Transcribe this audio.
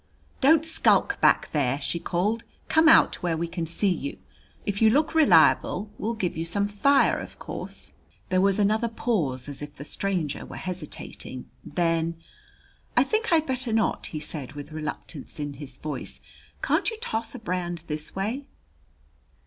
"Don't skulk back there," she called. "Come out, where we can see you. If you look reliable, we'll give you some fire, of course." There was another pause, as if the stranger were hesitating. Then: "I think I'd better not," he said with reluctance in his voice. "Can't you toss a brand this way?"